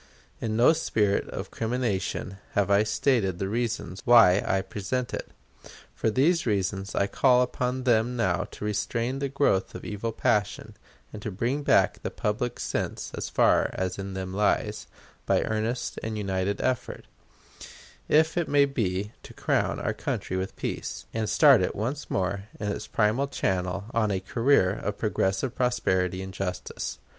In no spirit of crimination have I stated the reasons why I present it. For these reasons I call upon them now to restrain the growth of evil passion, and to bring back the public sense as far as in them lies, by earnest and united effort, if it may be, to crown our country with peace, and start it once more in its primal channel on a career of progressive prosperity and justice.